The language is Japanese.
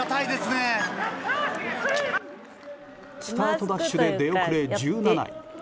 スタートダッシュで出遅れ１７位。